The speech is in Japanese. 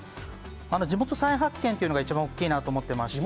地元再発見というのが一番大きいと思ってまして。